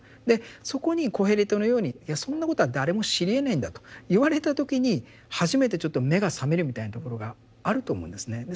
でそこにコヘレトのように「いやそんなことは誰も知りえないんだ」と言われた時に初めてちょっと目が覚めるみたいなところがあると思うんですね。